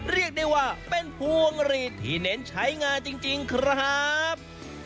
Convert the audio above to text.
เรียกได้ว่าเป็นพวงหลีดที่เน้นใช้งานจริงครับ